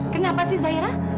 kenapa sih zahira